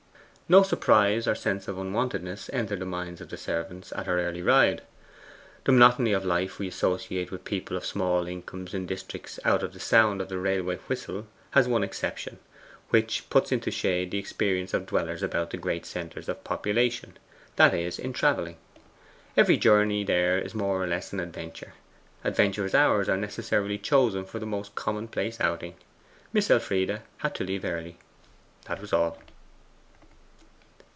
No surprise or sense of unwontedness entered the minds of the servants at her early ride. The monotony of life we associate with people of small incomes in districts out of the sound of the railway whistle, has one exception, which puts into shade the experience of dwellers about the great centres of population that is, in travelling. Every journey there is more or less an adventure; adventurous hours are necessarily chosen for the most commonplace outing. Miss Elfride had to leave early that was all.